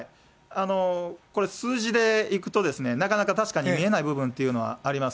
これ数字でいくと、なかなか確かに見えない部分というのはあります。